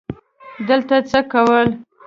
دلته یې څه کول ؟